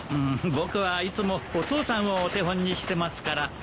僕はいつもお父さんをお手本にしてますから。